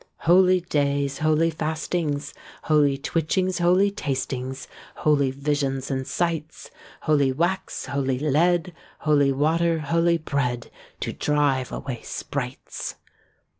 Holy days, holy fastings, Holy twitchings, holy tastings Holy visions and sights, Holy wax, holy lead, Holy water, holy bread, To drive away sprites.